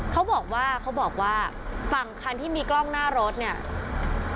เขาบอกว่าเขาบอกว่าฝั่งคันที่มีกล้องหน้ารถเนี่ย